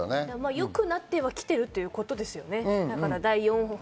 良くなってきているってことですよね。